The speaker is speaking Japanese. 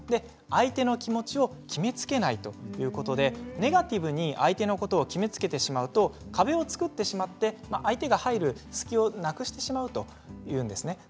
相手の気持ちを決めつけないということでネガティブに相手のことを決めつけてしまうと壁を作ってしまって相手が入る隙をなくしてしまうというんですね。